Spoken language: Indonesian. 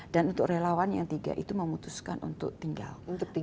dan untuk relawan yang tiga itu memutuskan untuk tinggal